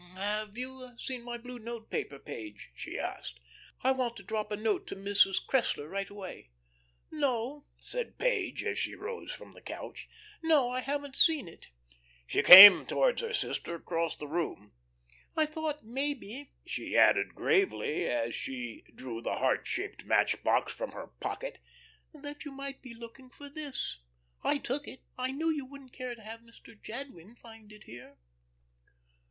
"Have you seen my blue note paper, Page?" she asked. "I want to drop a note to Mrs. Cressler, right away." "No," said Page, as she rose from the couch. "No, I haven't seen it." She came towards her sister across the room. "I thought, maybe," she added, gravely, as she drew the heart shaped match box from her pocket, "that you might be looking for this. I took it. I knew you wouldn't care to have Mr. Jadwin find it here."